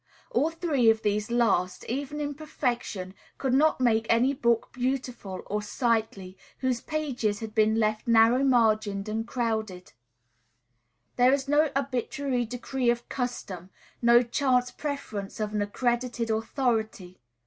All three of these last, even in perfection, could not make any book beautiful, or sightly, whose pages had been left narrow margined and crowded. This is no arbitrary decree of custom, no chance preference of an accredited authority.